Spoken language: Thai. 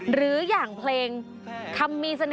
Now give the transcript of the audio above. หรืออย่างเพลงคำมีเสน่ห